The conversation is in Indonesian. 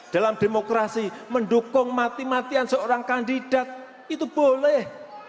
dalam demokrasi mendukung mati matian seorang kandidat itu boleh